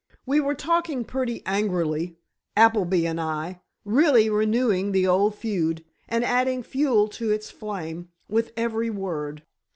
We were talking pretty angrily, Appleby and I, really renewing the old feud, and adding fuel to its flame with every word.